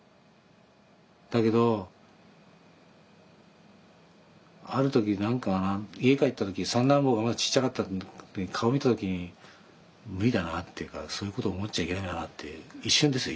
だけどある時何か家帰った時三男坊がまだちっちゃかった顔見た時に無理だなっていうかそういうこと思っちゃいけないんだなって一瞬ですよ。